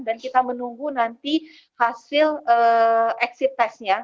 dan kita menunggu nanti hasil exit testnya